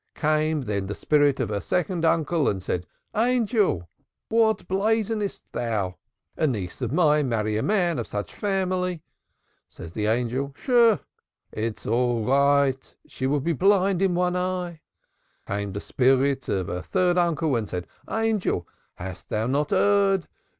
Came then the spirit of her second uncle and said: 'Angel, what blazonest thou? A niece of mine marry a man of such family?' Says the Angel: 'Sh! It is all right. She will be blind in one eye.' Came the spirit of her third uncle and said: 'Angel, hast thou not erred?